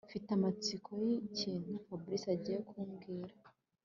mfite amatsiko yikintu Fabric agiye kubwira